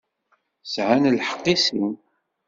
Sεan lḥeqq i sin.